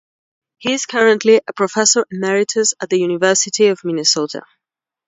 He is currently a Professor Emeritus at the University of Minnesota.